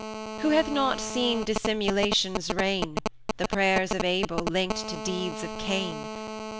70 Who hath not seen Dissimulation's reign, The prayers of Abel linked to deeds of Cain?